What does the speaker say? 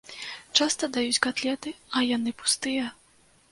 Часта даюць катлеты, а яны пустыя.